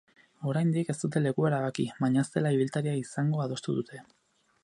Oraindik ez dute lekua erabaki, baina ez dela ibiltaria izango adostu dute.